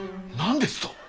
何ですと！